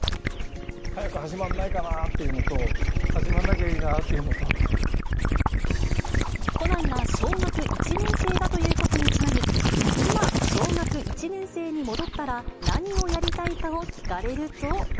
早く始まんないかなーっていうのと、始まらなきゃいいなーっていコナンが小学１年生だということにちなみに、今、小学１年生に戻ったら何をやりたいかを聞かれると。